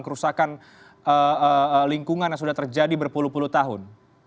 kerusakan lingkungan yang sudah terjadi berpuluh puluh tahun